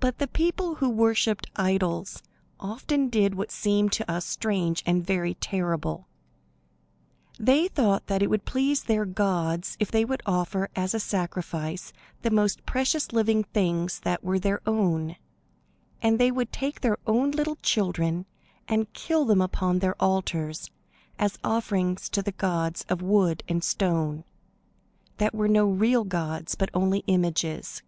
But the people who worshipped idols often did what seems to us strange and very terrible. They thought that it would please their gods if they would offer as a sacrifice the most precious living things that were their own; and they would take their own little children and kill them upon their altars as offerings to the gods of wood and stone, that were no real gods, but only images.